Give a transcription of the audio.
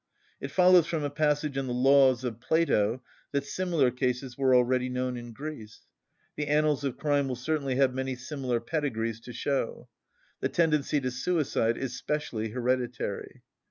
It follows from a passage in the Laws of Plato that similar cases were already known in Greece (Stob. Flor., vol. ii. p. 213). The annals of crime will certainly have many similar pedigrees to show. The tendency to suicide is specially hereditary.